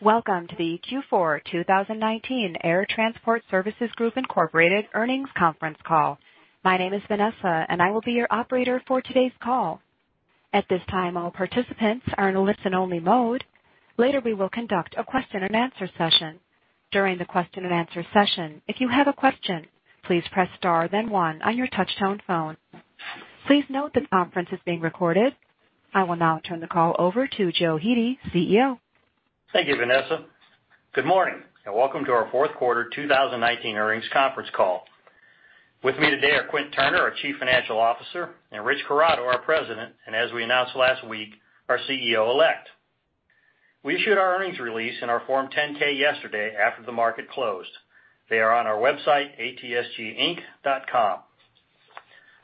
Welcome to the Q4 2019 Air Transport Services Group, Inc. Earnings Conference Call. My name is Vanessa, and I will be your operator for today's call. At this time, all participants are in listen only mode. Later, we will conduct a question and answer session. During the question and answer session, if you have a question, please press star then one on your touch-tone phone. Please note that conference is being recorded. I will now turn the call over to Joe Hete, CEO. Thank you, Vanessa. Good morning, and welcome to our fourth quarter 2019 earnings conference call. With me today are Quint Turner, our Chief Financial Officer, and Rich Corrado, our President, and as we announced last week, our CEO-Elect. We issued our earnings release in our Form 10-K yesterday after the market closed. They are on our website, atsginc.com.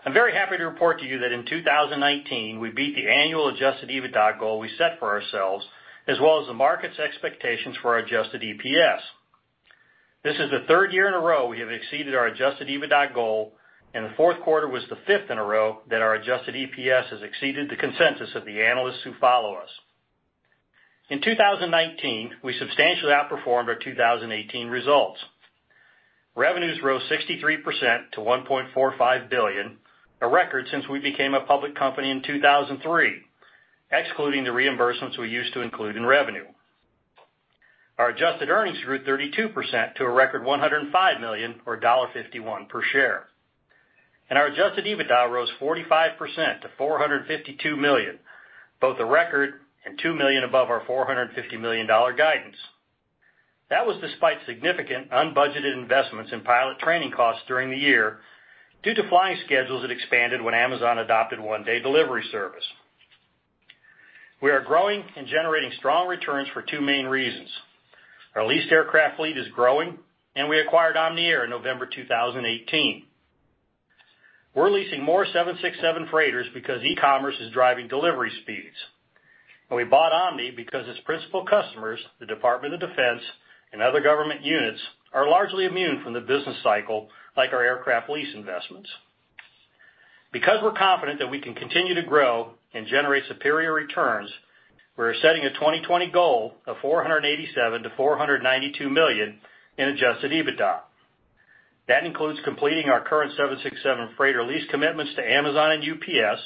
I'm very happy to report to you that in 2019, we beat the annual adjusted EBITDA goal we set for ourselves, as well as the market's expectations for our adjusted EPS. This is the third year in a row we have exceeded our adjusted EBITDA goal, and the fourth quarter was the fifth in a row that our adjusted EPS has exceeded the consensus of the analysts who follow us. In 2019, we substantially outperformed our 2018 results. Revenues rose 63% to $1.45 billion, a record since we became a public company in 2003, excluding the reimbursements we used to include in revenue. Our adjusted earnings grew 32% to a record $105 million, or $1.51 per share. Our adjusted EBITDA rose 45% to $452 million, both a record and $2 million above our $450 million guidance. That was despite significant unbudgeted investments in pilot training costs during the year due to flying schedules that expanded when Amazon adopted one-day delivery service. We are growing and generating strong returns for two main reasons. Our leased aircraft fleet is growing, and we acquired Omni in November 2018. We're leasing more 767 freighters because e-commerce is driving delivery speeds. We bought Omni because its principal customers, the Department of Defense and other government units, are largely immune from the business cycle, like our aircraft lease investments. Because we're confident that we can continue to grow and generate superior returns, we're setting a 2020 goal of $487 million-$492 million in adjusted EBITDA. That includes completing our current 767 freighter lease commitments to Amazon and UPS,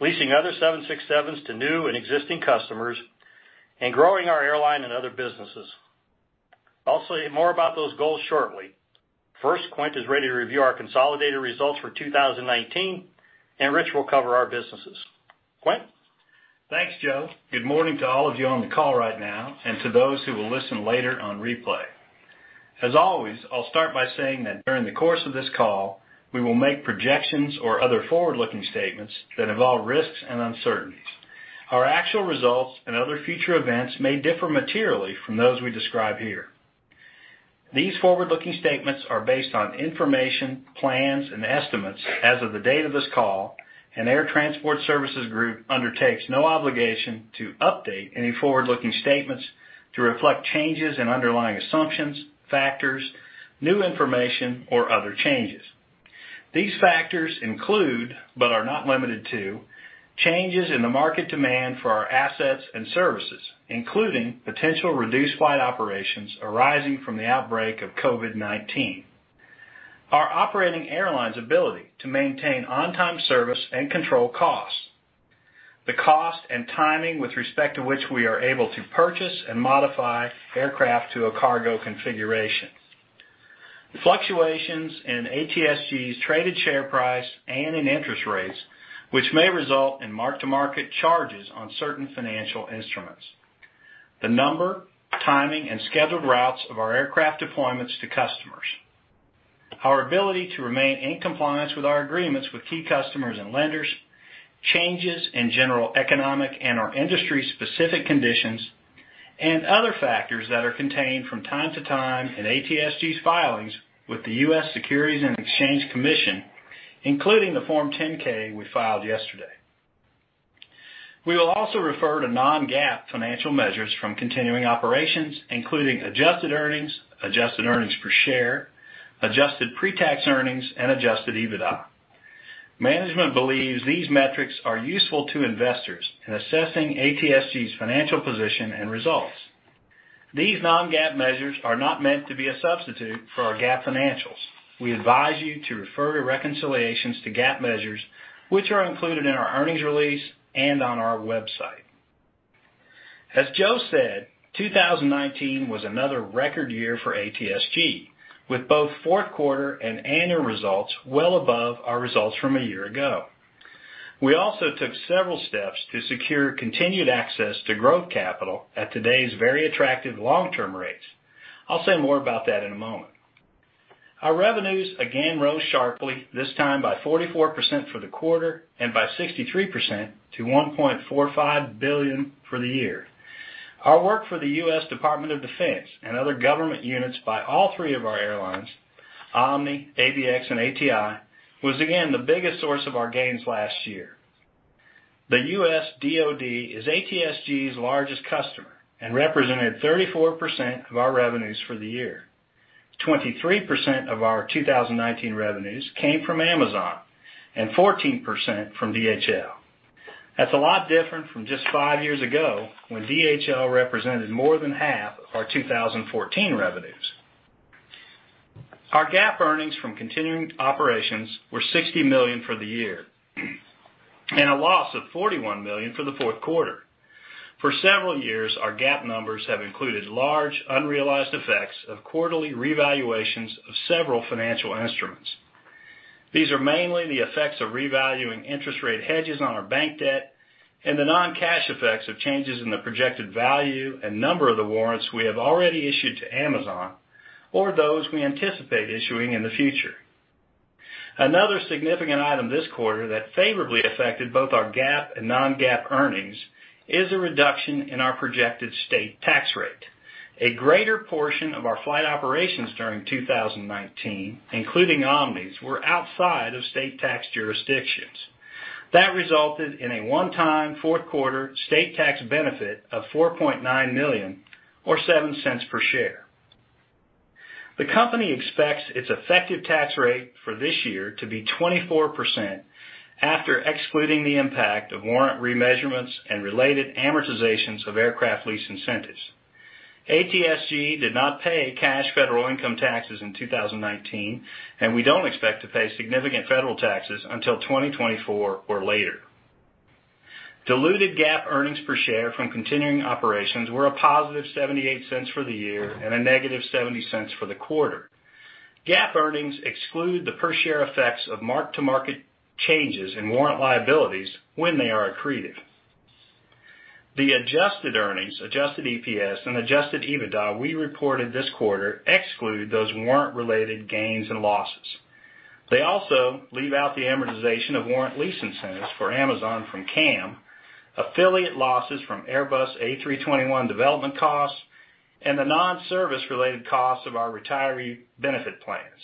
leasing other 767s to new and existing customers, and growing our airline and other businesses. I'll say more about those goals shortly. First, Quint is ready to review our consolidated results for 2019, and Rich will cover our businesses. Quint? Thanks, Joe. Good morning to all of you on the call right now and to those who will listen later on replay. As always, I'll start by saying that during the course of this call, we will make projections or other forward-looking statements that involve risks and uncertainties. Our actual results and other future events may differ materially from those we describe here. These forward-looking statements are based on information, plans, and estimates as of the date of this call, and Air Transport Services Group undertakes no obligation to update any forward-looking statements to reflect changes in underlying assumptions, factors, new information, or other changes. These factors include, but are not limited to, changes in the market demand for our assets and services, including potential reduced flight operations arising from the outbreak of COVID-19. Our operating airline's ability to maintain on-time service and control costs. The cost and timing with respect to which we are able to purchase and modify aircraft to a cargo configuration. The fluctuations in ATSG's traded share price and in interest rates, which may result in mark-to-market charges on certain financial instruments. The number, timing, and scheduled routes of our aircraft deployments to customers. Our ability to remain in compliance with our agreements with key customers and lenders, changes in general economic and/or industry-specific conditions, and other factors that are contained from time to time in ATSG's filings with the U.S. Securities and Exchange Commission, including the Form 10-K we filed yesterday. We will also refer to non-GAAP financial measures from continuing operations, including adjusted earnings, adjusted earnings per share, adjusted pre-tax earnings, and adjusted EBITDA. Management believes these metrics are useful to investors in assessing ATSG's financial position and results. These non-GAAP measures are not meant to be a substitute for our GAAP financials. We advise you to refer to reconciliations to GAAP measures, which are included in our earnings release and on our website. As Joe said, 2019 was another record year for ATSG, with both fourth quarter and annual results well above our results from a year ago. We also took several steps to secure continued access to growth capital at today's very attractive long-term rates. I'll say more about that in a moment. Our revenues again rose sharply, this time by 44% for the quarter and by 63% to $1.45 billion for the year. Our work for the U.S. Department of Defense and other government units by all three of our airlines, Omni, ABX, and ATI, was again the biggest source of our gains last year. The U.S. DoD is ATSG's largest customer and represented 34% of our revenues for the year. 23% of our 2019 revenues came from Amazon and 14% from DHL. That's a lot different from just five years ago when DHL represented more than half of our 2014 revenues. Our GAAP earnings from continuing operations were $60 million for the year and a loss of $41 million for the fourth quarter. For several years, our GAAP numbers have included large unrealized effects of quarterly revaluations of several financial instruments. These are mainly the effects of revaluing interest rate hedges on our bank debt and the non-cash effects of changes in the projected value and number of the warrants we have already issued to Amazon or those we anticipate issuing in the future. Another significant item this quarter that favorably affected both our GAAP and non-GAAP earnings is a reduction in our projected state tax rate. A greater portion of our flight operations during 2019, including Omni's, were outside of state tax jurisdictions. That resulted in a one-time fourth quarter state tax benefit of $4.9 million or $0.07 per share. The company expects its effective tax rate for this year to be 24% after excluding the impact of warrant remeasurements and related amortizations of aircraft lease incentives. ATSG did not pay cash federal income taxes in 2019, and we don't expect to pay significant federal taxes until 2024 or later. Diluted GAAP earnings per share from continuing operations were a +$0.78 for the year and a -$0.70 for the quarter. GAAP earnings exclude the per share effects of market-to-market changes in warrant liabilities when they are accreted. The adjusted earnings, adjusted EPS, and adjusted EBITDA we reported this quarter exclude those warrant-related gains and losses. They also leave out the amortization of warrant lease incentives for Amazon from CAM, affiliate losses from Airbus A321 development costs, and the non-service related costs of our retiree benefit plans.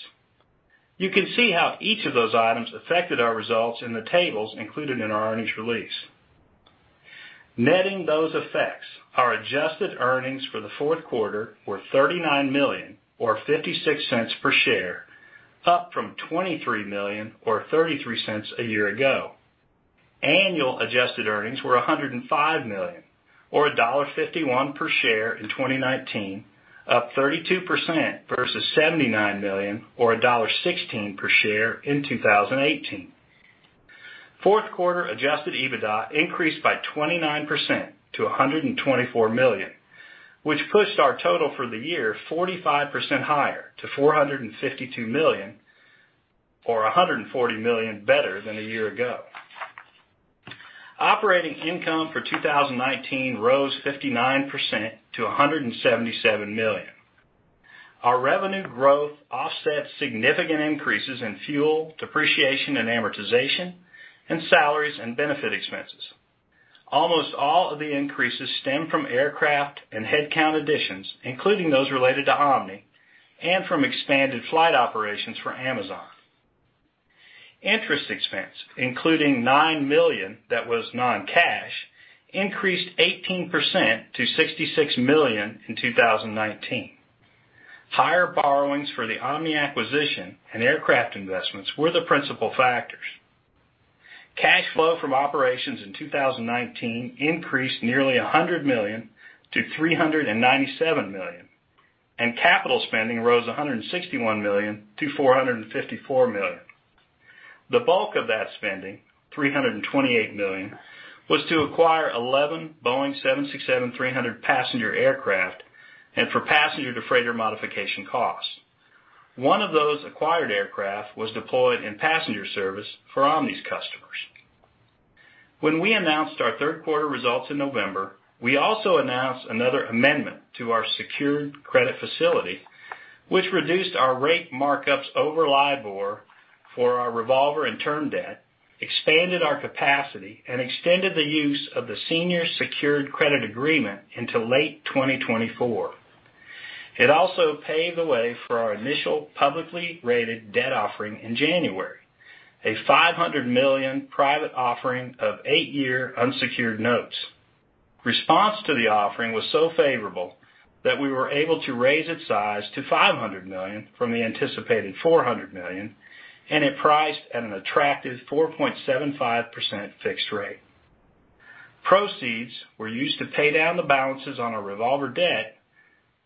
You can see how each of those items affected our results in the tables included in our earnings release. Netting those effects, our adjusted earnings for the fourth quarter were $39 million or $0.56 per share, up from $23 million or $0.33 a year ago. Annual adjusted earnings were $105 million or $1.51 per share in 2019, up 32% versus $79 million or $1.16 per share in 2018. Fourth quarter adjusted EBITDA increased by 29% to $124 million, which pushed our total for the year 45% higher to $452 million or $140 million better than a year ago. Operating income for 2019 rose 59% to $177 million. Our revenue growth offset significant increases in fuel, depreciation, and amortization, and salaries and benefit expenses. Almost all of the increases stemmed from aircraft and headcount additions, including those related to Omni and from expanded flight operations for Amazon. Interest expense, including $9 million that was non-cash, increased 18% to $66 million in 2019. Higher borrowings for the Omni acquisition and aircraft investments were the principal factors. Cash flow from operations in 2019 increased nearly $100 million to $397 million, and capital spending rose $161 million to $454 million. The bulk of that spending, $328 million, was to acquire 11 Boeing 767-300 passenger aircraft and for passenger-to-freighter modification costs. One of those acquired aircraft was deployed in passenger service for Omni's customers. When we announced our third-quarter results in November, we also announced another amendment to our secured credit facility, which reduced our rate markups over LIBOR for our revolver and term debt, expanded our capacity, and extended the use of the senior secured credit agreement into late 2024. It also paved the way for our initial publicly rated debt offering in January, a $500 million private offering of eight-year unsecured notes. Response to the offering was so favorable that we were able to raise its size to $500 million from the anticipated $400 million, and it priced at an attractive 4.75% fixed rate. Proceeds were used to pay down the balances on our revolver debt,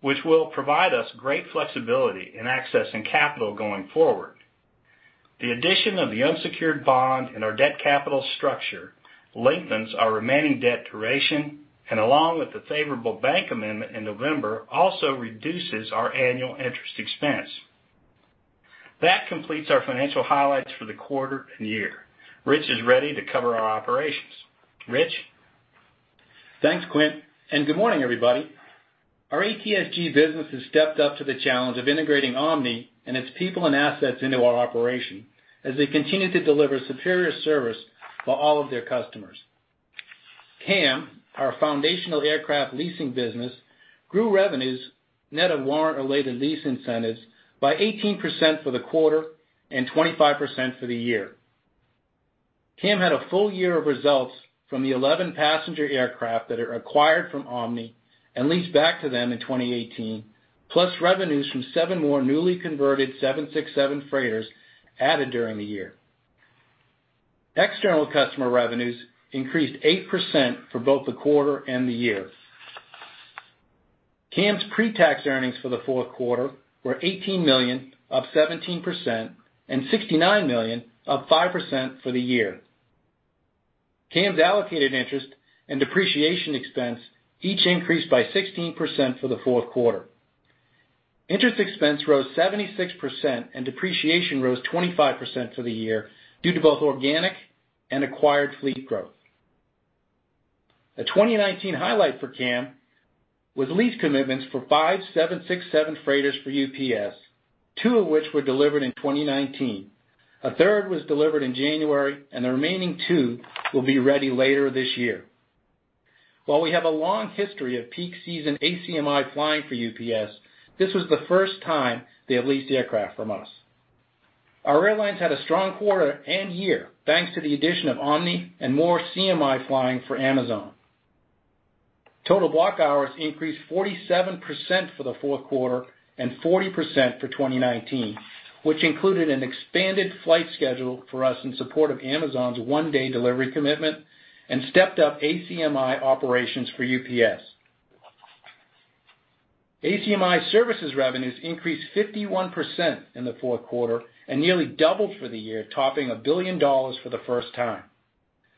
which will provide us great flexibility in accessing capital going forward. The addition of the unsecured bond in our debt capital structure lengthens our remaining debt duration, and along with the favorable bank amendment in November, also reduces our annual interest expense. That completes our financial highlights for the quarter and year. Rich is ready to cover our operations. Rich? Thanks, Quint. Good morning, everybody. Our ATSG business has stepped up to the challenge of integrating Omni and its people and assets into our operation as they continue to deliver superior service for all of their customers. CAM, our foundational aircraft leasing business, grew revenues net of warrant-related lease incentives by 18% for the quarter and 25% for the year. CAM had a full year of results from the 11 passenger aircraft that it acquired from Omni and leased back to them in 2018, plus revenues from seven more newly converted 767 freighters added during the year. External customer revenues increased 8% for both the quarter and the year. CAM's pretax earnings for the fourth quarter were $18 million, up 17%, and $69 million, up 5% for the year. CAM's allocated interest and depreciation expense each increased by 16% for the fourth quarter. Interest expense rose 76% and depreciation rose 25% for the year due to both organic and acquired fleet growth. A 2019 highlight for CAM was lease commitments for five 767 freighters for UPS, two of which were delivered in 2019. A third was delivered in January, and the remaining two will be ready later this year. While we have a long history of peak season ACMI flying for UPS, this was the first time they have leased aircraft from us. Our airlines had a strong quarter and year, thanks to the addition of Omni and more CMI flying for Amazon. Total block hours increased 47% for the fourth quarter and 40% for 2019, which included an expanded flight schedule for us in support of Amazon's one-day delivery commitment and stepped up ACMI operations for UPS. ACMI services revenues increased 51% in the fourth quarter and nearly doubled for the year, topping $1 billion for the first time.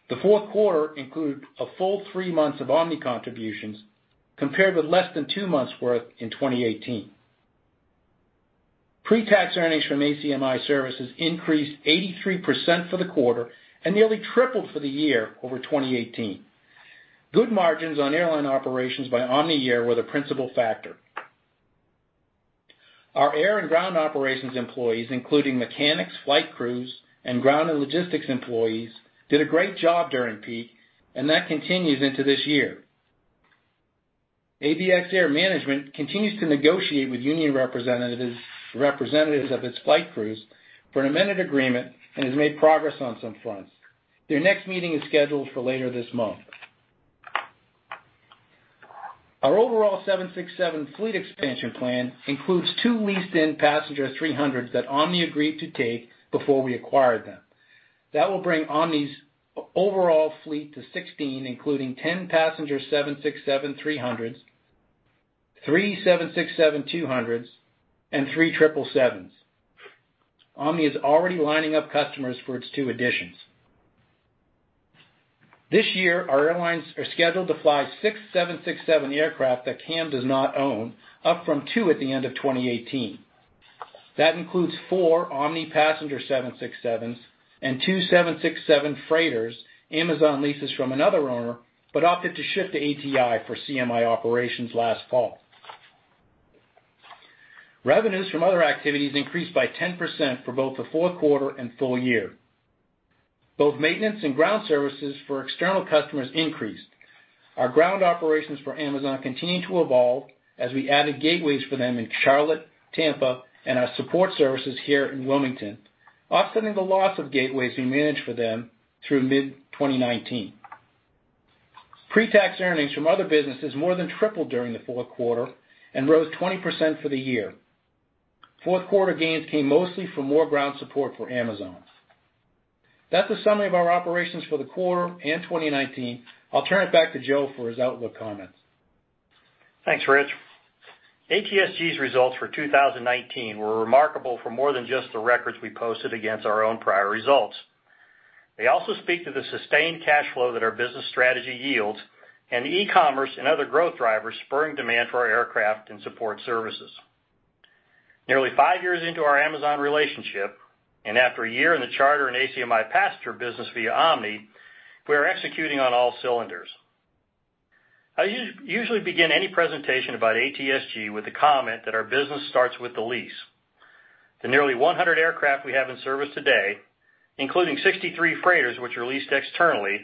The fourth quarter included a full three months of Omni contributions, compared with less than two months' worth in 2018. Pretax earnings from ACMI services increased 83% for the quarter and nearly tripled for the year over 2018. Good margins on airline operations by Omni year were the principal factor. Our air and ground operations employees, including mechanics, flight crews, and ground and logistics employees, did a great job during peak, and that continues into this year. ABX Air management continues to negotiate with union representatives of its flight crews for an amended agreement and has made progress on some fronts. Their next meeting is scheduled for later this month. Our overall 767 fleet expansion plan includes two leased-in passenger 300s that Omni agreed to take before we acquired them. That will bring Omni's overall fleet to 16, including 10 passenger 767-300s, three 767-200s, and three 777s. Omni is already lining up customers for its two additions. This year, our airlines are scheduled to fly six 767 aircraft that CAM does not own, up from two at the end of 2018. That includes four Omni passenger 767s and two 767 freighters Amazon leases from another owner, but opted to shift to ATI for CMI operations last fall. Revenues from other activities increased by 10% for both the fourth quarter and full year. Both maintenance and ground services for external customers increased. Our ground operations for Amazon continue to evolve as we added gateways for them in Charlotte, Tampa, and our support services here in Wilmington, offsetting the loss of gateways we managed for them through mid-2019. Pretax earnings from other businesses more than tripled during the fourth quarter and rose 20% for the year. Fourth quarter gains came mostly from more ground support for Amazon. That's a summary of our operations for the quarter and 2019. I'll turn it back to Joe for his outlook comments. Thanks, Rich. ATSG's results for 2019 were remarkable for more than just the records we posted against our own prior results. They also speak to the sustained cash flow that our business strategy yields and the e-commerce and other growth drivers spurring demand for our aircraft and support services. Nearly five years into our Amazon relationship, and after a year in the charter and ACMI passenger business via Omni, we are executing on all cylinders. I usually begin any presentation about ATSG with the comment that our business starts with the lease. The nearly 100 aircraft we have in service today, including 63 freighters, which are leased externally,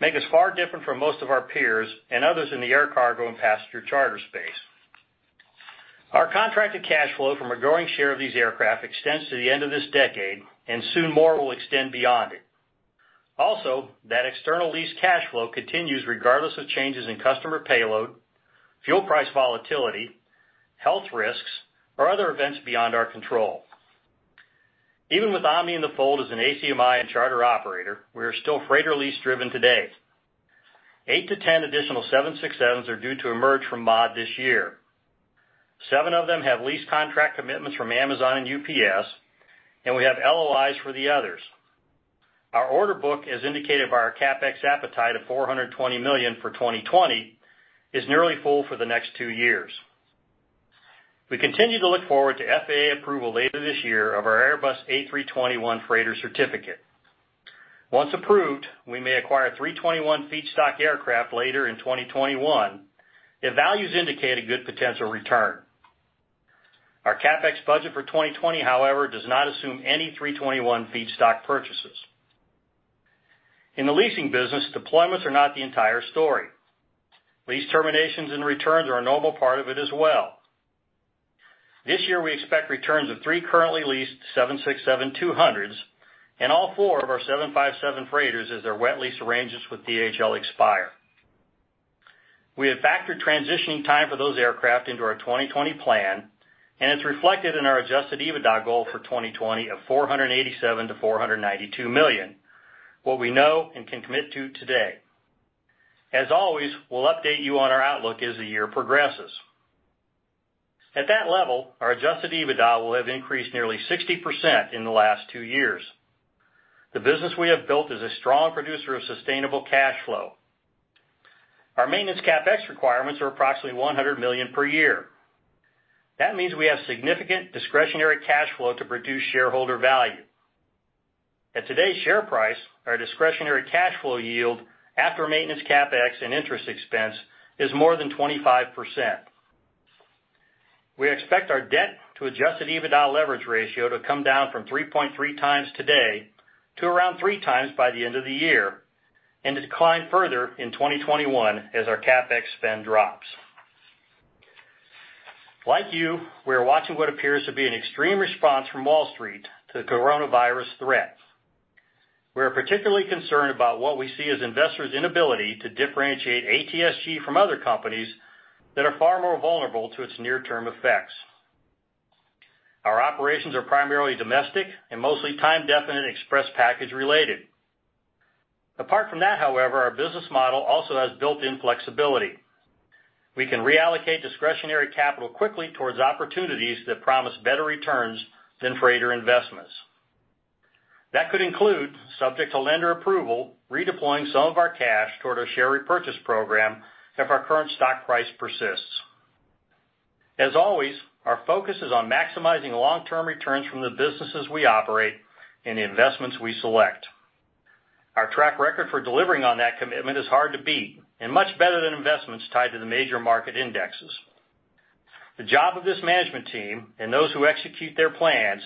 make us far different from most of our peers and others in the air cargo and passenger charter space. That external lease cash flow continues regardless of changes in customer payload, fuel price volatility, health risks, or other events beyond our control. Even with Omni in the fold as an ACMI and charter operator, we are still freighter lease driven today. Eight to 10 additional 767s are due to emerge from mod this year. Seven of them have lease contract commitments from Amazon and UPS, and we have LOIs for the others. Our order book, as indicated by our CapEx appetite of $420 million for 2020, is nearly full for the next two years. We continue to look forward to FAA approval later this year of our Airbus A321 freighter certificate. Once approved, we may acquire A321 feedstock aircraft later in 2021 if values indicate a good potential return. Our CapEx budget for 2020, however, does not assume any A321 feedstock purchases. In the leasing business, deployments are not the entire story. Lease terminations and returns are a normal part of it as well. This year, we expect returns of three currently leased 767-200s and all four of our 757 freighters as their wet lease arrangements with DHL expire. We have factored transitioning time for those aircraft into our 2020 plan, and it's reflected in our adjusted EBITDA goal for 2020 of $487 million-$492 million, what we know and can commit to today. As always, we'll update you on our outlook as the year progresses. At that level, our adjusted EBITDA will have increased nearly 60% in the last two years. The business we have built is a strong producer of sustainable cash flow. Our maintenance CapEx requirements are approximately $100 million per year. That means we have significant discretionary cash flow to produce shareholder value. At today's share price, our discretionary cash flow yield after maintenance CapEx and interest expense is more than 25%. We expect our debt to adjusted EBITDA leverage ratio to come down from 3.3x today to around 3x by the end of the year, and decline further in 2021 as our CapEx spend drops. Like you, we are watching what appears to be an extreme response from Wall Street to the coronavirus threat. We are particularly concerned about what we see as investors' inability to differentiate ATSG from other companies that are far more vulnerable to its near-term effects. Our operations are primarily domestic and mostly time-definite express package related. Apart from that, however, our business model also has built-in flexibility. We can reallocate discretionary capital quickly towards opportunities that promise better returns than freighter investments. That could include, subject to lender approval, redeploying some of our cash toward our share repurchase program if our current stock price persists. As always, our focus is on maximizing long-term returns from the businesses we operate and the investments we select. Our track record for delivering on that commitment is hard to beat and much better than investments tied to the major market indexes. The job of this management team and those who execute their plans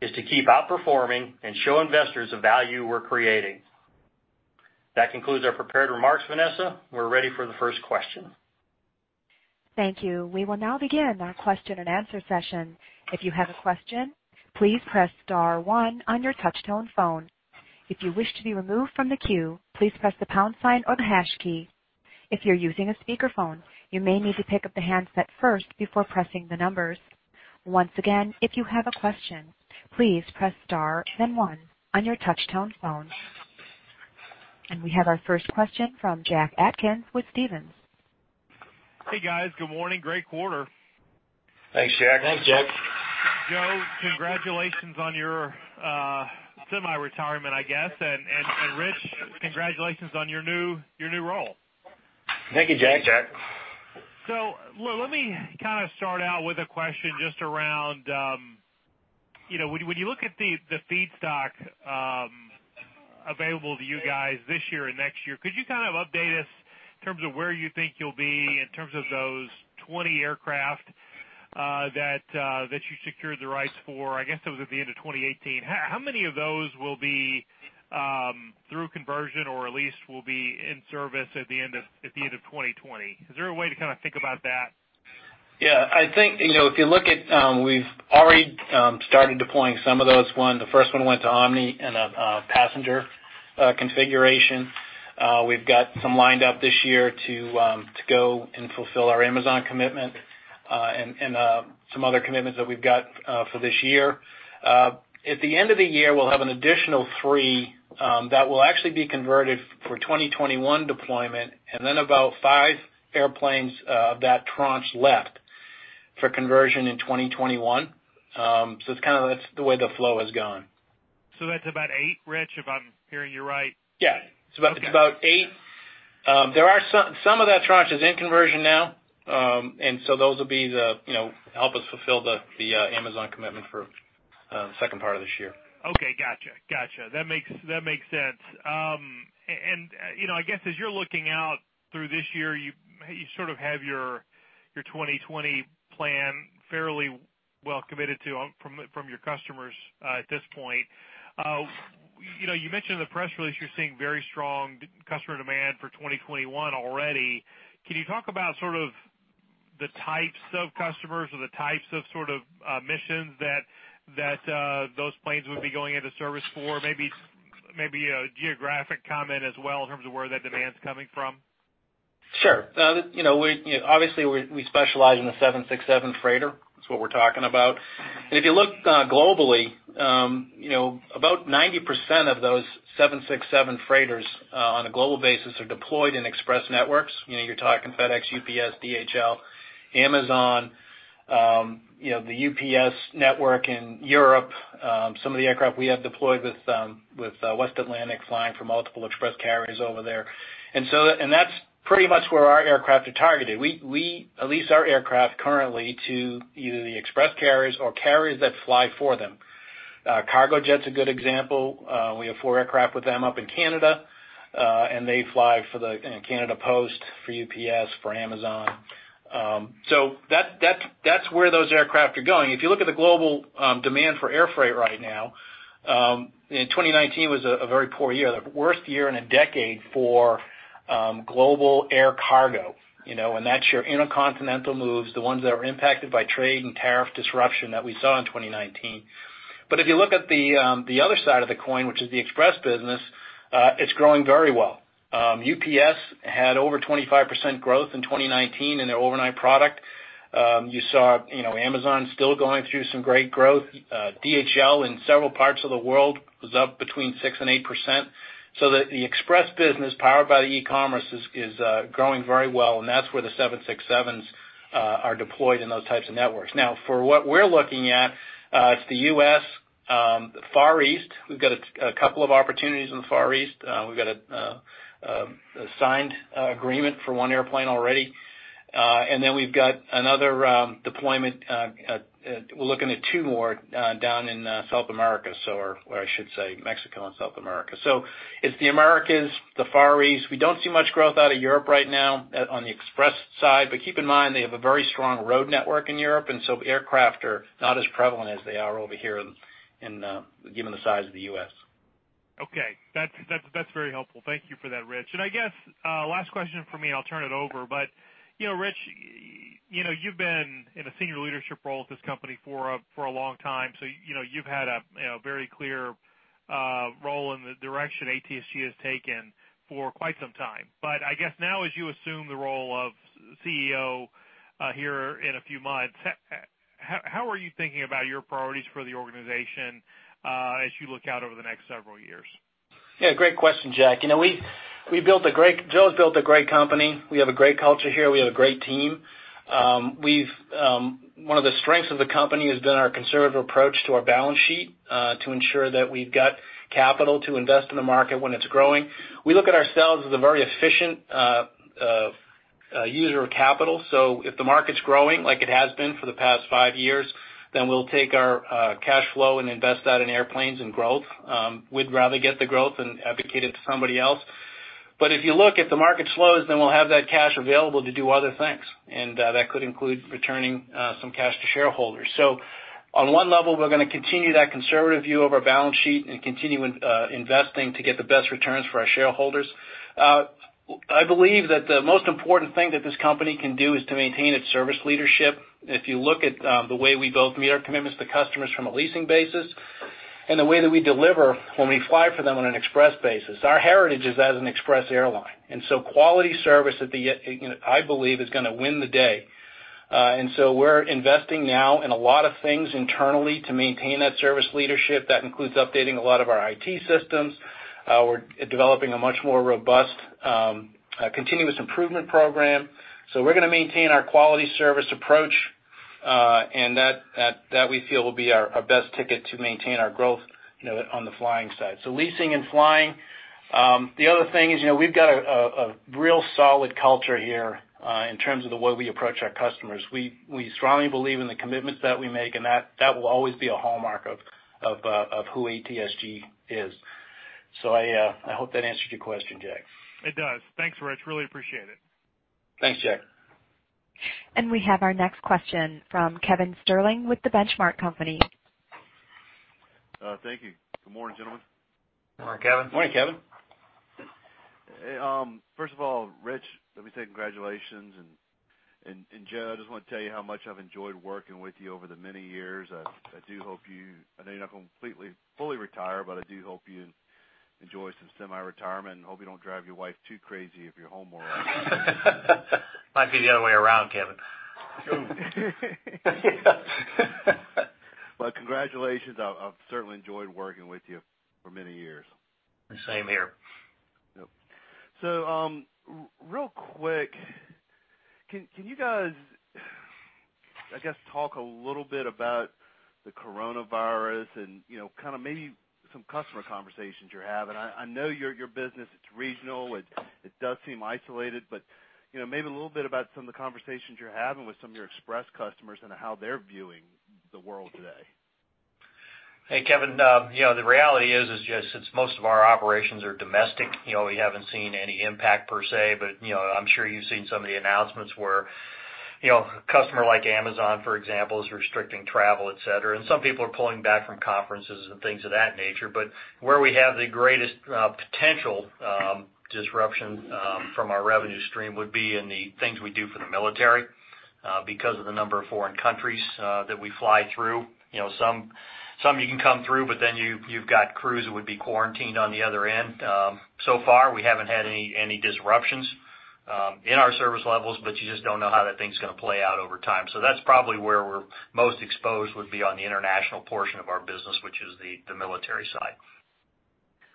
is to keep outperforming and show investors the value we're creating. That concludes our prepared remarks, Vanessa. We're ready for the first question. Thank you. We will now begin our question and answer session. If you have a question, please press star one on your touch-tone phone. If you wish to be removed from the queue, please press the pound sign or the hash key. If you're using a speakerphone, you may need to pick up the handset first before pressing the numbers. Once again, if you have a question, please press star then one on your touch-tone phone. We have our first question from Jack Atkins with Stephens. Hey, guys. Good morning. Great quarter. Thanks, Jack. Thanks, Jack. Joe, congratulations on your semi-retirement, I guess. Rich, congratulations on your new role. Thank you, Jack. Thank you Jack. Let me kind of start out with a question just around, when you look at the feedstock available to you guys this year and next year, could you kind of update us in terms of where you think you'll be in terms of those 20 aircraft that you secured the rights for? I guess it was at the end of 2018. How many of those will be through conversion or at least will be in service at the end of 2020? Is there a way to kind of think about that? Yeah. I think, if you look at, we've already started deploying some of those. The first one went to Omni in a passenger configuration. We've got some lined up this year to go and fulfill our Amazon commitment, and some other commitments that we've got for this year. At the end of the year, we'll have an additional three that will actually be converted for 2021 deployment, and then about five airplanes of that tranche left for conversion in 2021. It's kind of, that's the way the flow has gone. That's about eight, Rich, if I'm hearing you right? Yeah. It's about eight. Some of that tranche is in conversion now. Those will help us fulfill the Amazon commitment for the second part of this year. Okay. Gotcha. That makes sense. I guess as you're looking out through this year, you sort of have your 2020 plan fairly well committed to from your customers at this point. You mentioned in the press release you're seeing very strong customer demand for 2021 already. Can you talk about sort of the types of customers or the types of sort of missions that those planes would be going into service for? Maybe a geographic comment as well in terms of where that demand's coming from. Sure. Obviously, we specialize in the 767 freighter. That's what we're talking about. If you look globally, about 90% of those 767 freighters on a global basis are deployed in express networks. You're talking FedEx, UPS, DHL, Amazon, the UPS network in Europe. Some of the aircraft we have deployed with West Atlantic flying for multiple express carriers over there. That's pretty much where our aircraft are targeted. We lease our aircraft currently to either the express carriers or carriers that fly for them. Cargojet's a good example. We have four aircraft with them up in Canada, and they fly for the Canada Post, for UPS, for Amazon. If you look at the global demand for air freight right now, 2019 was a very poor year, the worst year in a decade for global air cargo, and that's your intercontinental moves, the ones that were impacted by trade and tariff disruption that we saw in 2019. If you look at the other side of the coin, which is the express business, it's growing very well. UPS had over 25% growth in 2019 in their overnight product. You saw Amazon still going through some great growth. DHL, in several parts of the world, was up between 6% and 8%. The express business, powered by the e-commerce, is growing very well, and that's where the 767s are deployed in those types of networks. Now, for what we're looking at, it's the U.S., the Far East. We've got a couple of opportunities in the Far East. We've got a signed agreement for one airplane already. We've got another deployment. We're looking at two more down in South America, or I should say Mexico and South America. It's the Americas, the Far East. We don't see much growth out of Europe right now on the express side. Keep in mind, they have a very strong road network in Europe, and so aircraft are not as prevalent as they are over here, given the size of the U.S. Okay. That's very helpful. Thank you for that, Rich. I guess last question from me, I'll turn it over. Rich, you've been in a senior leadership role at this company for a long time, so you've had a very clear role in the direction ATSG has taken for quite some time. I guess now, as you assume the role of CEO here in a few months, how are you thinking about your priorities for the organization as you look out over the next several years? Yeah, great question, Jack. Joe's built a great company. We have a great culture here. We have a great team. One of the strengths of the company has been our conservative approach to our balance sheet to ensure that we've got capital to invest in the market when it's growing. We look at ourselves as a very efficient user of capital. If the market's growing like it has been for the past five years, then we'll take our cash flow and invest that in airplanes and growth. We'd rather get the growth than advocate it to somebody else. If you look, if the market slows, then we'll have that cash available to do other things, and that could include returning some cash to shareholders. On one level, we're going to continue that conservative view of our balance sheet and continue investing to get the best returns for our shareholders. I believe that the most important thing that this company can do is to maintain its service leadership. If you look at the way we both meet our commitments to customers from a leasing basis and the way that we deliver when we fly for them on an express basis, our heritage is as an express airline, quality service, I believe, is going to win the day. We're investing now in a lot of things internally to maintain that service leadership. That includes updating a lot of our IT systems. We're developing a much more robust continuous improvement program. We're going to maintain our quality service approach, that we feel will be our best ticket to maintain our growth on the flying side. Leasing and flying. The other thing is we've got a real solid culture here in terms of the way we approach our customers. We strongly believe in the commitments that we make, that will always be a hallmark of who ATSG is. I hope that answered your question, Jack. It does. Thanks, Rich. Really appreciate it. Thanks, Jack. We have our next question from Kevin Sterling with The Benchmark Company. Thank you. Good morning, gentlemen. Good morning, Kevin. Good morning, Kevin. First of all, Rich, let me say congratulations. Joe, I just want to tell you how much I've enjoyed working with you over the many years. I know you're not going to completely fully retire, but I do hope you enjoy some semi-retirement, and hope you don't drive your wife too crazy if you're home more. Might be the other way around, Kevin. Well, congratulations. I've certainly enjoyed working with you for many years. The same here. Yep. Real quick, can you guys, I guess, talk a little bit about the coronavirus and kind of maybe some customer conversations you're having? I know your business, it's regional, it does seem isolated, but maybe a little bit about some of the conversations you're having with some of your express customers and how they're viewing the world today. Hey, Kevin. The reality is, Joe, since most of our operations are domestic, we haven't seen any impact per se, but I'm sure you've seen some of the announcements where a customer like Amazon, for example, is restricting travel, et cetera, and some people are pulling back from conferences and things of that nature. Where we have the greatest potential disruption from our revenue stream would be in the things we do for the military because of the number of foreign countries that we fly through. Some you can come through, but then you've got crews who would be quarantined on the other end. So far, we haven't had any disruptions in our service levels, but you just don't know how that thing's going to play out over time. That's probably where we're most exposed, would be on the international portion of our business, which is the military side.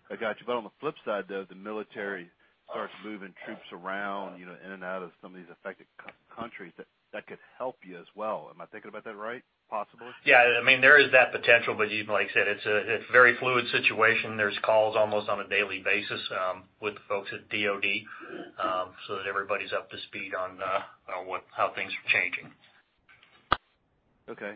I got you. On the flip side, though, the military starts moving troops around, in and out of some of these affected countries, that could help you as well. Am I thinking about that right, possibly? There is that potential, like I said, it's a very fluid situation. There's calls almost on a daily basis with the folks at DoD so that everybody's up to speed on how things are changing. Okay.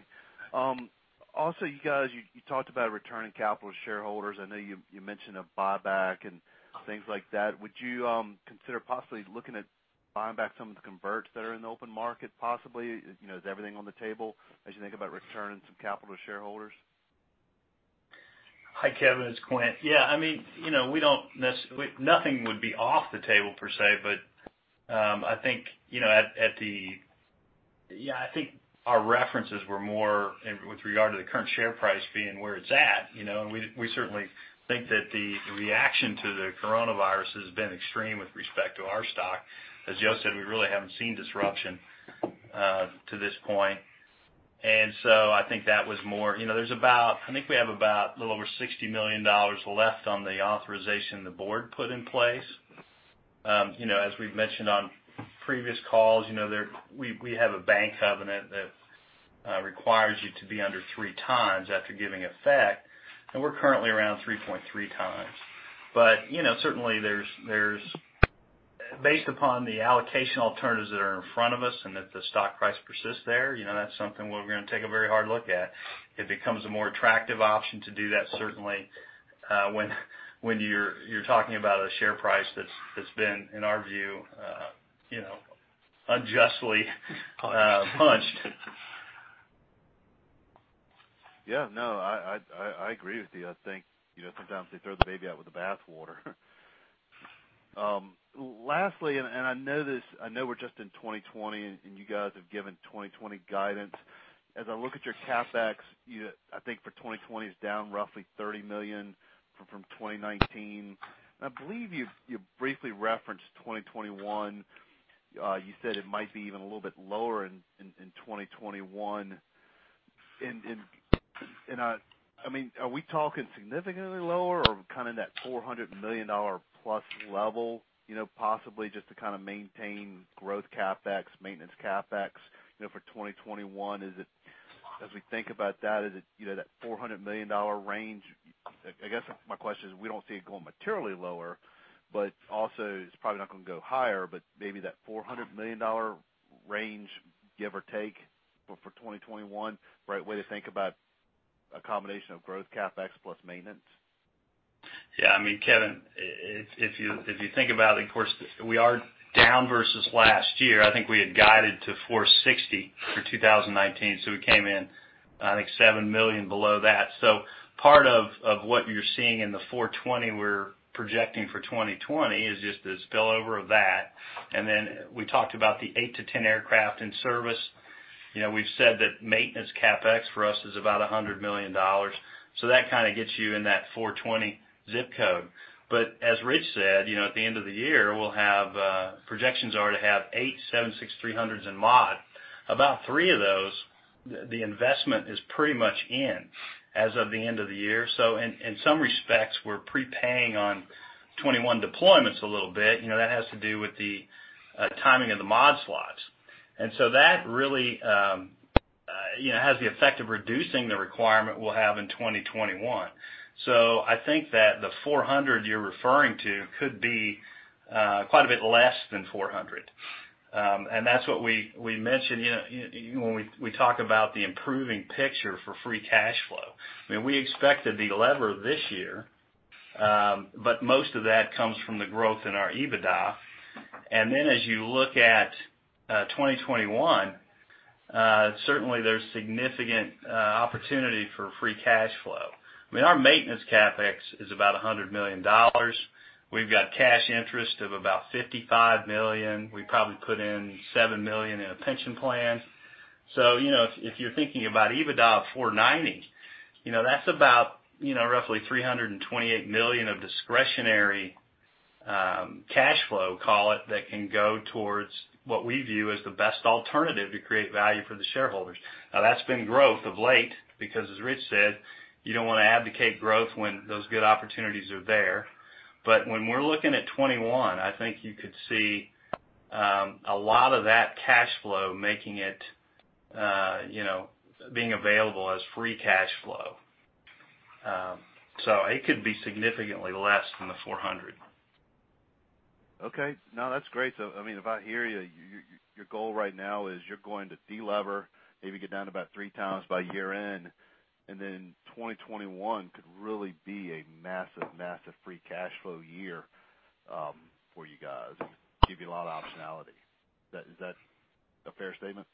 You guys, you talked about returning capital to shareholders. I know you mentioned a buyback and things like that. Would you consider possibly looking at buying back some of the converts that are in the open market, possibly? Is everything on the table as you think about returning some capital to shareholders? Hi, Kevin, it's Quint. Nothing would be off the table per se, I think our references were more with regard to the current share price being where it's at. We certainly think that the reaction to the coronavirus has been extreme with respect to our stock. As Joe said, we really haven't seen disruption, to this point. I think that was more. I think we have about a little over $60 million left on the authorization the Board put in place. As we've mentioned on previous calls, we have a bank covenant that requires you to be under 3x after giving effect, we're currently around 3.3x. Certainly, based upon the allocation alternatives that are in front of us and that the stock price persists there, that's something we're going to take a very hard look at. It becomes a more attractive option to do that certainly, when you're talking about a share price that's been, in our view, unjustly- Punched punched. Yeah. No, I agree with you. I think sometimes they throw the baby out with the bathwater. Lastly, I know we're just in 2020 and you guys have given 2020 guidance. As I look at your CapEx, I think for 2020 it's down roughly $30 million from 2019. I believe you briefly referenced 2021. You said it might be even a little bit lower in 2021. Are we talking significantly lower or kind of that $400 million+ level, possibly just to kind of maintain growth CapEx, maintenance CapEx for 2021? As we think about that, is it that $400 million range? I guess my question is, we don't see it going materially lower, but also it's probably not going to go higher, but maybe that $400 million range, give or take, for 2021, right way to think about a combination of growth CapEx plus maintenance? Kevin, if you think about it, of course, we are down versus last year. I think we had guided to $460 million for 2019. We came in, I think, $7 million below that. Part of what you're seeing in the $420 million we're projecting for 2020 is just the spillover of that. Then we talked about the eight to 10 aircraft in service. We've said that maintenance CapEx for us is about $100 million. That kind of gets you in that $420 million zip code. As Rich said, at the end of the year, projections are to have eight 767-300s in mod. About three of those, the investment is pretty much in as of the end of the year. In some respects, we're prepaying on 2021 deployments a little bit. That has to do with the timing of the mod slots. That really has the effect of reducing the requirement we'll have in 2021. I think that the 400 you're referring to could be quite a bit less than 400. That's what we mentioned when we talk about the improving picture for free cash flow. We expected to de-lever this year. Most of that comes from the growth in our EBITDA. As you look at 2021, certainly there's significant opportunity for free cash flow. Our maintenance CapEx is about $100 million. We've got cash interest of about $55 million. We probably put in $7 million in a pension plan. If you're thinking about EBITDA of $490 million, that's about roughly $328 million of discretionary cash flow, call it, that can go towards what we view as the best alternative to create value for the shareholders. Now, that's been growth of late, because as Rich said, you don't want to abdicate growth when those good opportunities are there. When we're looking at 2021, I think you could see a lot of that cash flow being available as free cash flow. It could be significantly less than the $400 million. No, that's great. If I hear you, your goal right now is you're going to de-lever, maybe get down to about 3x by year-end, and then 2021 could really be a massive free cash flow year for you guys, give you a lot of optionality. Is that a fair statement?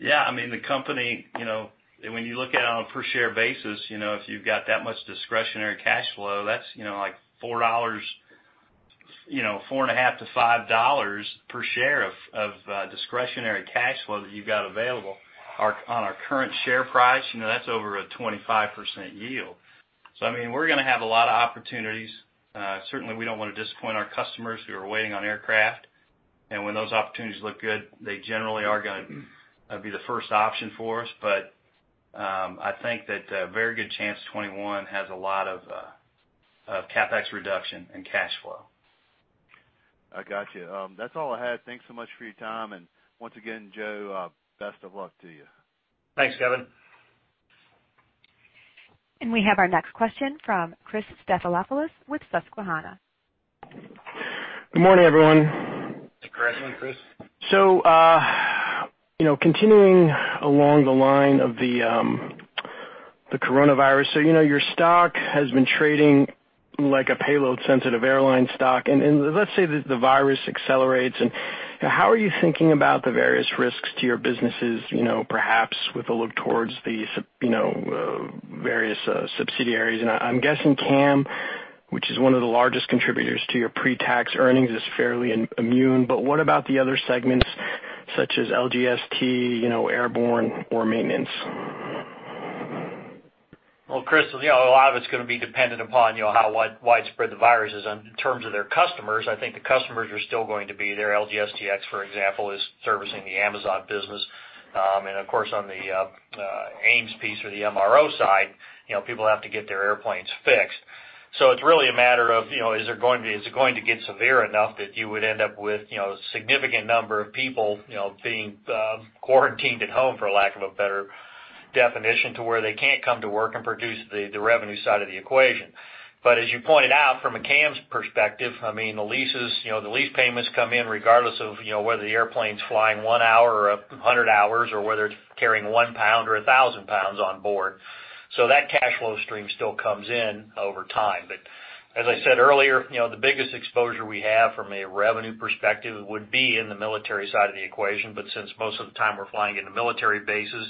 Yeah. The company, when you look at it on a per share basis, if you've got that much discretionary cash flow, that's like $4.50-$5 per share of discretionary cash flow that you've got available. On our current share price, that's over a 25% yield. We're going to have a lot of opportunities. Certainly, we don't want to disappoint our customers who are waiting on aircraft. When those opportunities look good, they generally are going to be the first option for us. I think that a very good chance 2021 has a lot of CapEx reduction and cash flow. I got you. That's all I had. Thanks so much for your time. Once again, Joe, best of luck to you. Thanks, Kevin. We have our next question from Chris Stathoulopoulos with Susquehanna. Good morning, everyone. Good morning, Chris. Continuing along the line of the coronavirus. Your stock has been trading Like a payload sensitive airline stock. Let's say that the virus accelerates and how are you thinking about the various risks to your businesses, perhaps with a look towards the various subsidiaries. I'm guessing CAM, which is one of the largest contributors to your pre-tax earnings, is fairly immune. What about the other segments such as LGSTX, Airborne or Maintenance? Chris, a lot of it's going to be dependent upon how widespread the virus is in terms of their customers. I think the customers are still going to be there. LGSTX, for example, is servicing the Amazon business. Of course, on the AMES piece or the MRO side, people have to get their airplanes fixed. It's really a matter of, is it going to get severe enough that you would end up with a significant number of people being quarantined at home, for lack of a better definition, to where they can't come to work and produce the revenue side of the equation. As you pointed out, from a CAM's perspective, the lease payments come in regardless of whether the airplane's flying one hour or 100 hours, or whether it's carrying 1 lb or 1,000 lbs on board. That cash flow stream still comes in over time. As I said earlier, the biggest exposure we have from a revenue perspective would be in the military side of the equation. Since most of the time we're flying into military bases,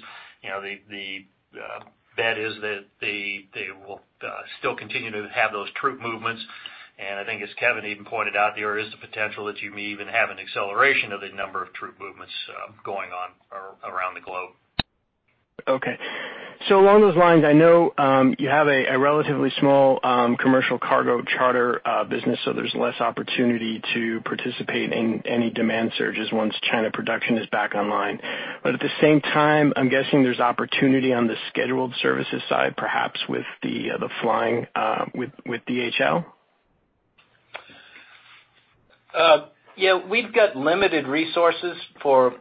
the bet is that they will still continue to have those troop movements. I think as Kevin even pointed out, there is the potential that you may even have an acceleration of the number of troop movements going on around the globe. Okay. Along those lines, I know you have a relatively small commercial cargo charter business, so there's less opportunity to participate in any demand surges once China production is back online. At the same time, I'm guessing there's opportunity on the scheduled services side, perhaps with the flying with DHL? We've got limited resources for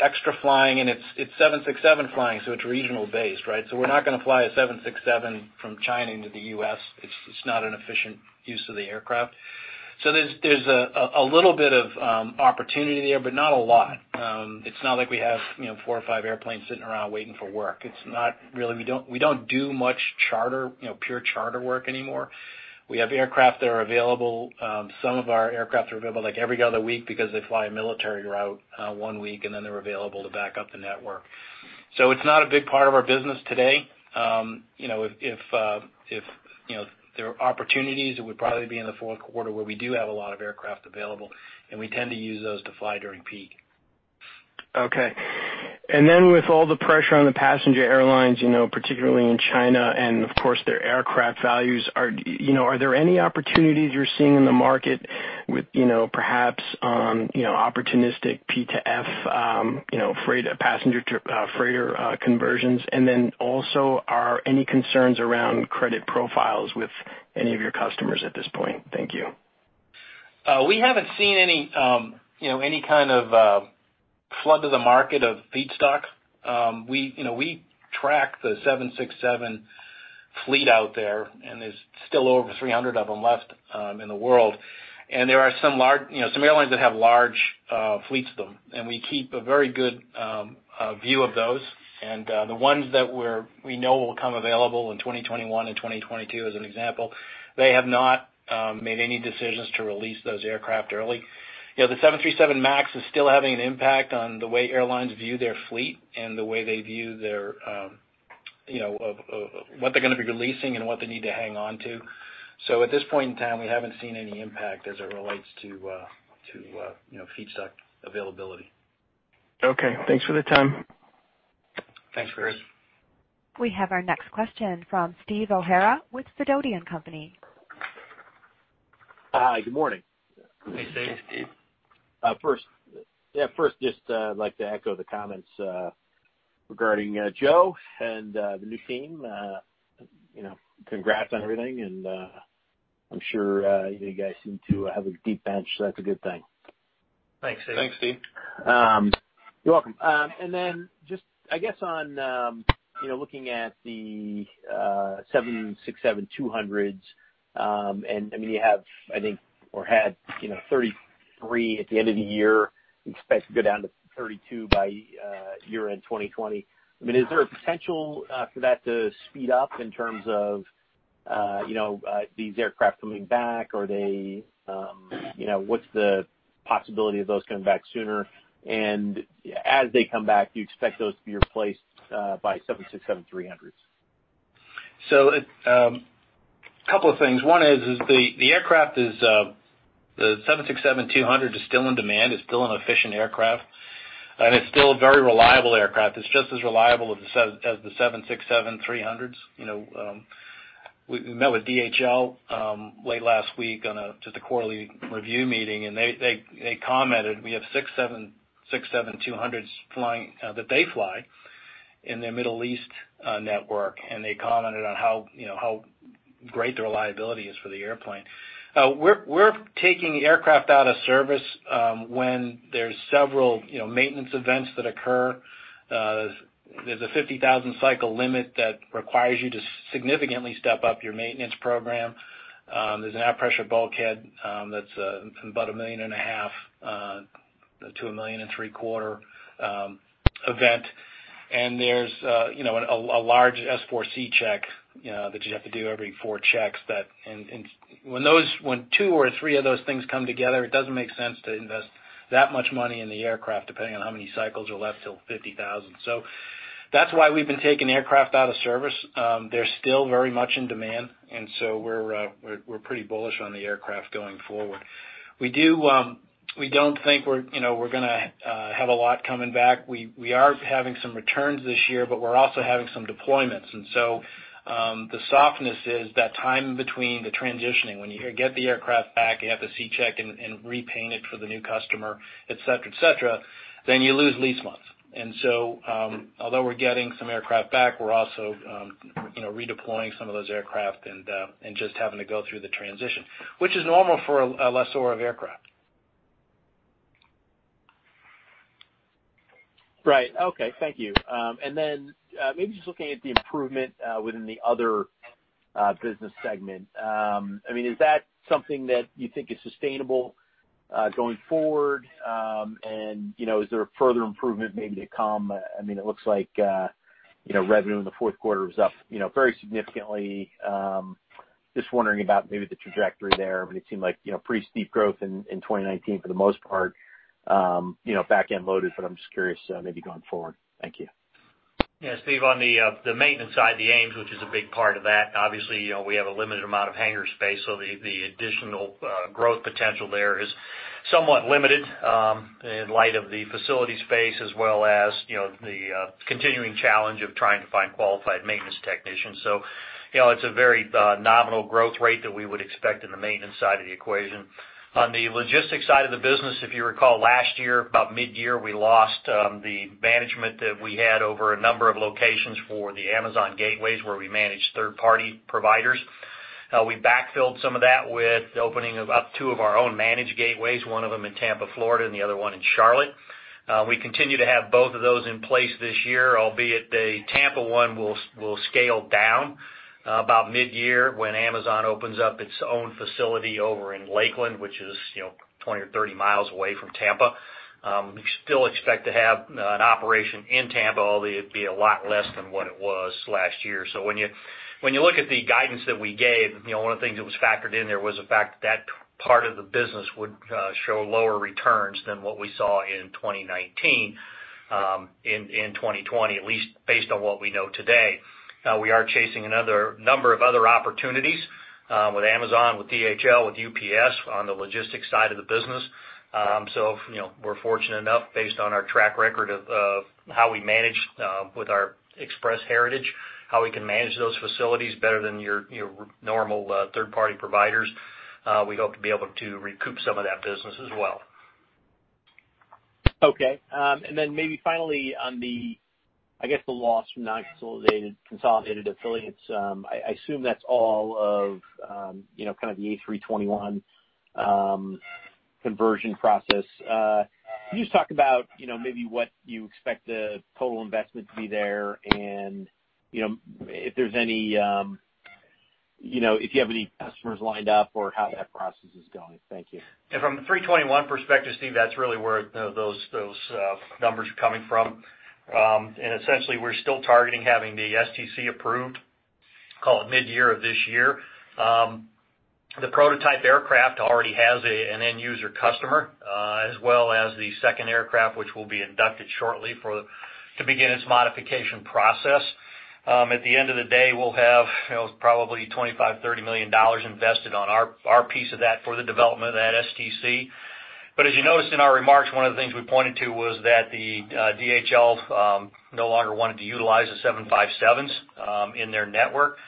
extra flying, and it's 767 flying, so it's regional based, right? We're not going to fly a 767 from China into the U.S. It's not an efficient use of the aircraft. There's a little bit of opportunity there, but not a lot. It's not like we have four or five airplanes sitting around waiting for work. We don't do much pure charter work anymore. We have aircraft that are available. Some of our aircraft are available every other week because they fly a military route one week, and then they're available to back up the network. It's not a big part of our business today. If there are opportunities, it would probably be in the fourth quarter where we do have a lot of aircraft available, and we tend to use those to fly during peak. Okay. With all the pressure on the passenger airlines, particularly in China, and of course, their aircraft values, are there any opportunities you're seeing in the market with perhaps opportunistic P2F, passenger to freighter conversions? Also, are any concerns around credit profiles with any of your customers at this point? Thank you. We haven't seen any kind of flood to the market of feedstock. We track the 767 fleet out there's still over 300 of them left in the world, there are some airlines that have large fleets of them, we keep a very good view of those. The ones that we know will come available in 2021 and 2022, as an example, they have not made any decisions to release those aircraft early. The 737 MAX is still having an impact on the way airlines view their fleet and the way they view what they're going to be releasing and what they need to hang on to. At this point in time, we haven't seen any impact as it relates to feedstock availability. Okay. Thanks for the time. Thanks, Chris. We have our next question from Steve O'Hara with Sidoti & Company. Hi. Good morning. Hey, Steve. First, just like to echo the comments regarding Joe and the new team. Congrats on everything, and I'm sure you guys seem to have a deep bench, so that's a good thing. Thanks, Steve. Thanks, Steve. You're welcome. Just, I guess, on looking at the 767-200s, you have, I think, or had 33 at the end of the year, you expect to go down to 32 by year-end 2020. Is there a potential for that to speed up in terms of these aircraft coming back? What's the possibility of those coming back sooner? As they come back, do you expect those to be replaced by 767-300s? A couple of things. One is the aircraft, the Boeing 767-200 is still in demand. It's still an efficient aircraft, and it's still a very reliable aircraft. It's just as reliable as the Boeing 767-300s. We met with DHL late last week on just a quarterly review meeting. They commented, we have six 767-200s that they fly in their Middle East network, and they commented on how great the reliability is for the airplane. We're taking aircraft out of service when there's several maintenance events that occur. There's a 50,000-cycle limit that requires you to significantly step up your maintenance program. There's an air pressure bulkhead that's about $1.5 million-$1.75 million quarter event. There's a large S4C check that you have to do every four checks. When two or three of those things come together, it doesn't make sense to invest that much money in the aircraft, depending on how many cycles are left till 50,000. That's why we've been taking aircraft out of service. They're still very much in demand, we're pretty bullish on the aircraft going forward. We don't think we're going to have a lot coming back. We are having some returns this year, we're also having some deployments. The softness is that time between the transitioning. When you get the aircraft back, you have to C-check and repaint it for the new customer, et cetera. You lose lease months. Although we're getting some aircraft back, we're also redeploying some of those aircraft and just having to go through the transition, which is normal for a lessor of aircraft. Right. Okay. Thank you. Then, maybe just looking at the improvement within the other business segment. Is that something that you think is sustainable going forward? Is there further improvement maybe to come? It looks like revenue in the fourth quarter was up very significantly. Just wondering about maybe the trajectory there, but it seemed like pretty steep growth in 2019 for the most part, back-end loaded, but I'm just curious, maybe going forward. Thank you. Steve, on the maintenance side, the AMES, which is a big part of that, obviously, we have a limited amount of hangar space, so the additional growth potential there is somewhat limited in light of the facility space as well as the continuing challenge of trying to find qualified maintenance technicians. It's a very nominal growth rate that we would expect in the maintenance side of the equation. On the logistics side of the business, if you recall last year, about mid-year, we lost the management that we had over a number of locations for the Amazon gateways, where we managed third-party providers. We backfilled some of that with the opening of two of our own managed gateways, one of them in Tampa, Florida, and the other one in Charlotte. We continue to have both of those in place this year, albeit the Tampa one will scale down about mid-year when Amazon opens up its own facility over in Lakeland, which is 20 mi or 30 mi away from Tampa. We still expect to have an operation in Tampa, although it'd be a lot less than what it was last year. When you look at the guidance that we gave, one of the things that was factored in there was the fact that that part of the business would show lower returns than what we saw in 2019, in 2020, at least based on what we know today. We are chasing a number of other opportunities, with Amazon, with DHL, with UPS on the logistics side of the business. We're fortunate enough, based on our track record of how we manage with our express heritage, how we can manage those facilities better than your normal third-party providers. We hope to be able to recoup some of that business as well. Okay. Maybe finally on the, I guess, the loss from non-consolidated affiliates. I assume that's all of the Airbus A321 conversion process. Can you just talk about maybe what you expect the total investment to be there and if you have any customers lined up or how that process is going? Thank you. From the A321 perspective, Steve, that's really where those numbers are coming from. Essentially, we're still targeting having the STC approved, call it mid-year of this year. The prototype aircraft already has an end user customer, as well as the second aircraft, which will be inducted shortly to begin its modification process. At the end of the day, we'll have probably $25 million-$30 million invested on our piece of that for the development of that STC. As you noticed in our remarks, one of the things we pointed to was that DHL no longer wanted to utilize the 757s in their network.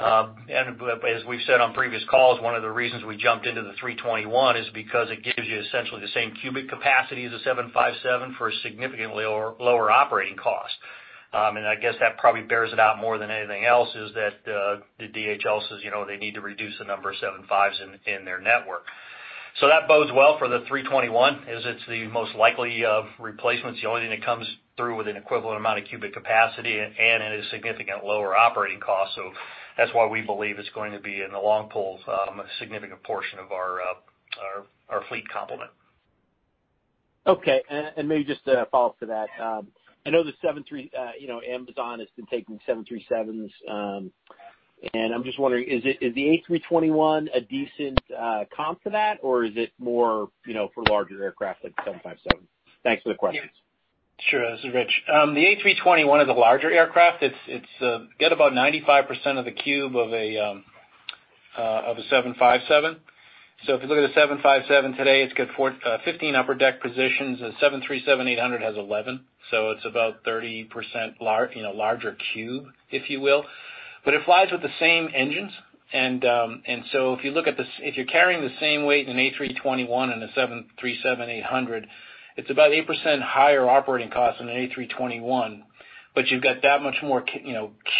As we've said on previous calls, one of the reasons we jumped into the 321 is because it gives you essentially the same cubic capacity as a 757 for a significantly lower operating cost. I guess that probably bears it out more than anything else is that DHL says they need to reduce the number of 757s in their network. That bodes well for the A321, as it's the most likely replacement. It's the only thing that comes through with an equivalent amount of cubic capacity and at a significant lower operating cost. That's why we believe it's going to be, in the long pull, a significant portion of our fleet complement. Okay, maybe just a follow-up to that. I know Amazon has been taking 737s, and I am just wondering, is the A321 a decent comp to that, or is it more for larger aircraft like the 757? Thanks for the questions. Sure. This is Rich. The Airbus A321 is a larger aircraft. It's got about 95% of the cube of a 757. If you look at a 757 today, it's got 15 upper deck positions. A 737-800 has 11, so it's about 30% larger cube, if you will. It flies with the same engines. If you're carrying the same weight in an Airbus A321 and a Boeing 737-800, it's about 8% higher operating cost than an Airbus A321. You've got that much more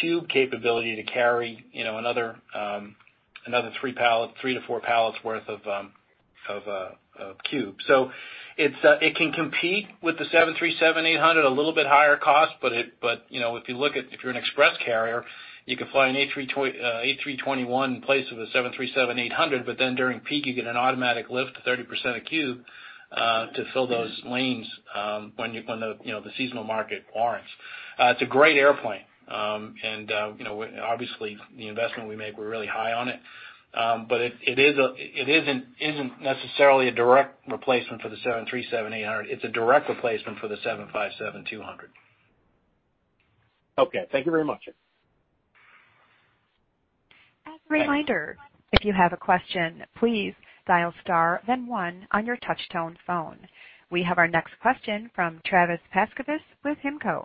cube capability to carry another three to four pallets worth of cube. It can compete with the Boeing 737-800, a little bit higher cost, but if you're an express carrier, you can fly an Airbus A321 in place of a Boeing 737-800, but then during peak, you get an automatic lift of 30% of cube to fill those lanes when the seasonal market warrants. It's a great airplane. Obviously, the investment we make, we're really high on it. It isn't necessarily a direct replacement for the 737-800. It's a direct replacement for the 757-200. Okay. Thank you very much. As a reminder, if you have a question, please dial star then one on your touch-tone phone. We have our next question from Travis Pascavis with HIMCO.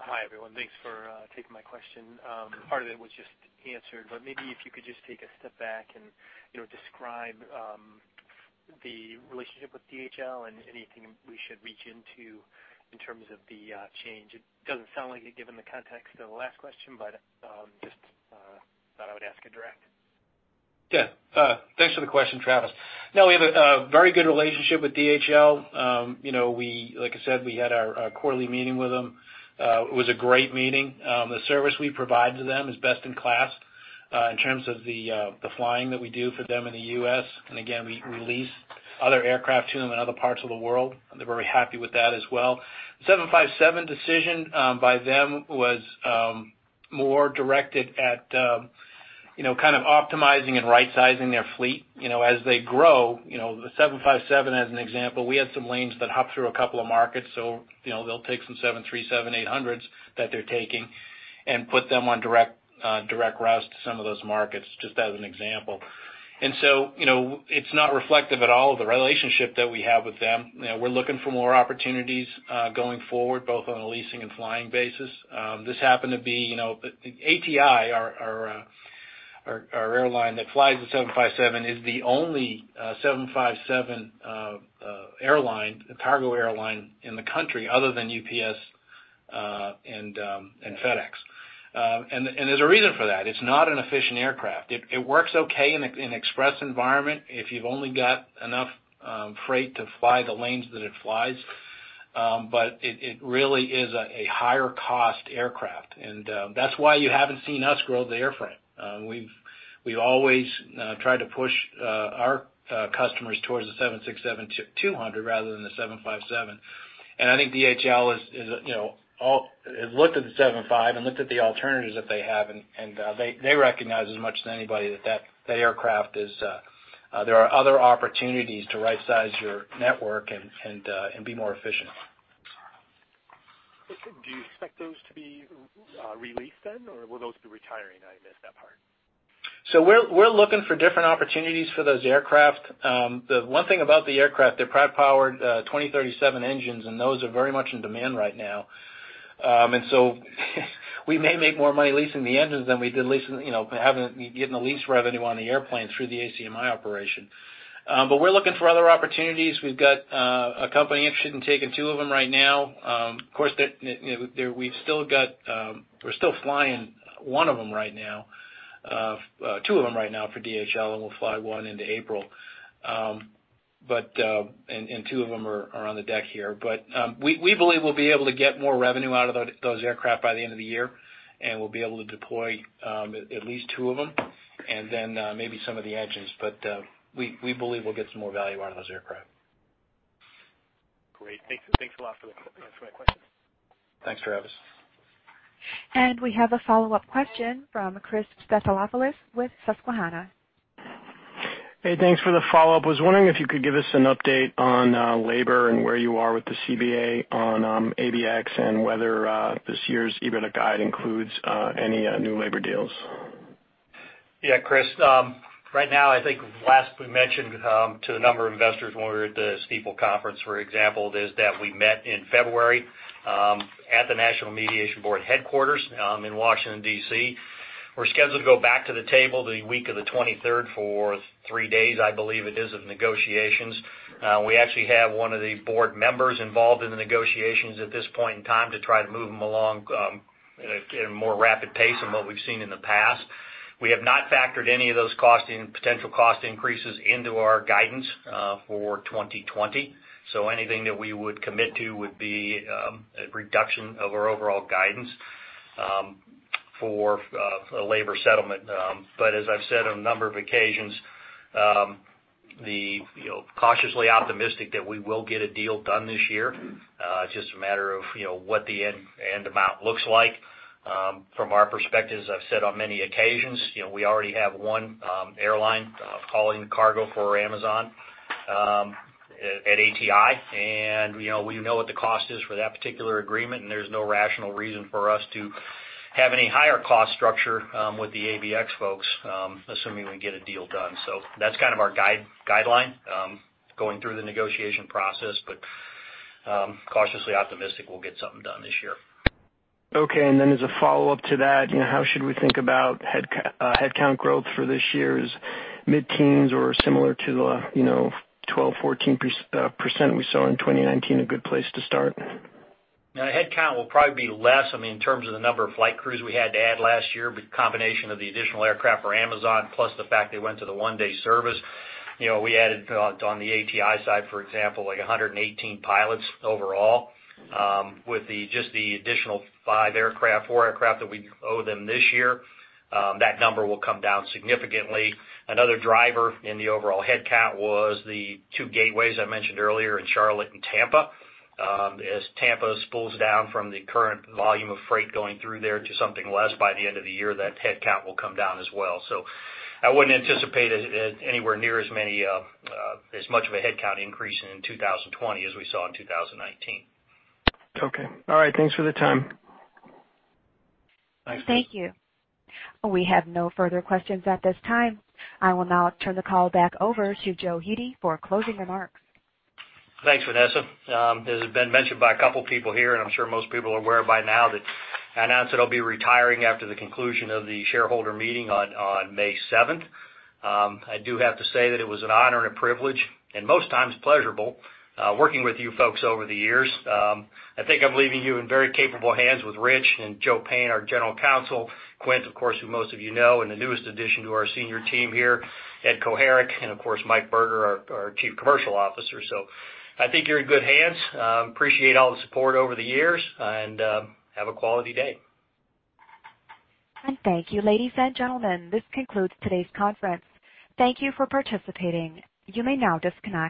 Hi, everyone. Thanks for taking my question. Part of it was just answered, but maybe if you could just take a step back and describe the relationship with DHL and anything we should read into in terms of the change. It doesn't sound like it, given the context of the last question, but just thought I would ask it direct. Yeah. Thanks for the question, Travis. No, we have a very good relationship with DHL. Like I said, we had our quarterly meeting with them. It was a great meeting. The service we provide to them is best in class in terms of the flying that we do for them in the U.S. Again, we lease other aircraft to them in other parts of the world. They're very happy with that as well. The 757 decision by them was more directed at kind of optimizing and rightsizing their fleet. As they grow, the 757 as an example, we had some lanes that hop through a couple of markets, so they'll take some 737-800s that they're taking and put them on direct routes to some of those markets, just as an example. It's not reflective at all of the relationship that we have with them. We're looking for more opportunities going forward, both on a leasing and flying basis. ATI, our airline that flies the 757, is the only 757 cargo airline in the country other than UPS and FedEx. There's a reason for that. It's not an efficient aircraft. It works okay in an express environment if you've only got enough freight to fly the lanes that it flies. It really is a higher cost aircraft, and that's why you haven't seen us grow the airframe. We've always tried to push our customers towards the 767-200 rather than the 757. I think DHL has looked at the 757 and looked at the alternatives that they have, and they recognize as much as anybody that there are other opportunities to rightsize your network and be more efficient. Do you expect those to be re-leased then, or will those be retiring? I missed that part. We're looking for different opportunities for those aircraft. The one thing about the aircraft, they're powered by PW2037 engines, and those are very much in demand right now. We may make more money leasing the engines than getting the lease revenue on the airplane through the ACMI operation. We're looking for other opportunities. We've got a company interested in taking two of them right now. Of course, we're still flying one of them right now, two of them right now for DHL, and we'll fly one into April. Two of them are on the deck here. We believe we'll be able to get more revenue out of those aircraft by the end of the year, and we'll be able to deploy at least two of them, and then maybe some of the engines. We believe we'll get some more value out of those aircraft. Great. Thanks a lot for answering my question. Thanks, Travis. We have a follow-up question from Chris Stathoulopoulos with Susquehanna. Hey, thanks for the follow-up. Was wondering if you could give us an update on labor and where you are with the CBA on ABX and whether this year's EBITDA guide includes any new labor deals. Yeah, Chris. Right now, I think last we mentioned to the number of investors when we were at the Stifel conference, for example, is that we met in February at the National Mediation Board headquarters in Washington, D.C. We're scheduled to go back to the table the week of the 23rd for three days, I believe it is, of negotiations. We actually have one of the Board Members involved in the negotiations at this point in time to try to move them along in a more rapid pace than what we've seen in the past. We have not factored any of those potential cost increases into our guidance for 2020. Anything that we would commit to would be a reduction of our overall guidance for a labor settlement. As I've said on a number of occasions, cautiously optimistic that we will get a deal done this year. It's just a matter of what the end amount looks like. From our perspective, as I've said on many occasions, we already have one airline hauling cargo for Amazon at ATI, and we know what the cost is for that particular agreement, and there's no rational reason for us to have any higher cost structure with the ABX folks, assuming we get a deal done. That's kind of our guideline going through the negotiation process, but cautiously optimistic we'll get something done this year. As a follow-up to that, how should we think about headcount growth for this year? Is mid-teens or similar to the 12%, 14% we saw in 2019 a good place to start? No, headcount will probably be less. In terms of the number of flight crews we had to add last year, with combination of the additional aircraft for Amazon, plus the fact they went to the one-day service. We added on the ATI side, for example, 118 pilots overall. With just the additional five aircraft, four aircraft that we owe them this year, that number will come down significantly. Another driver in the overall headcount was the two gateways I mentioned earlier in Charlotte and Tampa. As Tampa spools down from the current volume of freight going through there to something less by the end of the year, that headcount will come down as well. I wouldn't anticipate anywhere near as much of a headcount increase in 2020 as we saw in 2019. Okay. All right. Thanks for the time. Thanks. Thank you. We have no further questions at this time. I will now turn the call back over to Joe Hete for closing remarks. Thanks, Vanessa. As has been mentioned by a couple people here, and I'm sure most people are aware by now that I announced that I'll be retiring after the conclusion of the shareholder meeting on May 7th. I do have to say that it was an honor and a privilege, and most times pleasurable, working with you folks over the years. I think I'm leaving you in very capable hands with Rich and Joe Payne, our General Counsel, Quint, of course, who most of you know, and the newest addition to our senior team here, Ed Koharik, and of course, Mike Berger, our Chief Commercial Officer. I think you're in good hands. Appreciate all the support over the years, and have a quality day. Thank you. Ladies and gentlemen, this concludes today's conference. Thank you for participating. You may now disconnect.